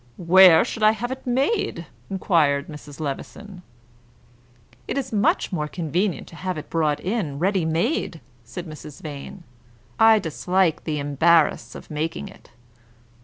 "Where should I have it made?" inquired Mrs. Levison. "It is much more convenient to have it brought in, ready made," said Mrs. Vane. "I dislike the embarass of making it."